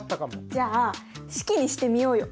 じゃあ式にしてみようよ。